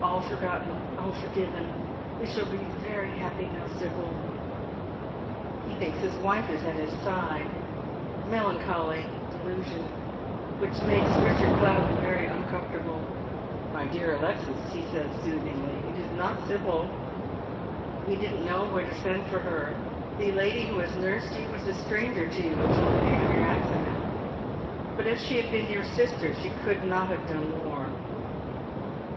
All forgotten, all for given. We shall be very happy now, Sibyl." He thinks his wife is at his side, — a melancholy delusion, which makes Kichard Plowden very uncomfortable. " My dear Alexis," he says soothingly, " it is not Sibyl ; we didn't know where to send for her. The lady who has nursed you was a stranger to you until the day of your accident, but if she had been your sister she could not have done more."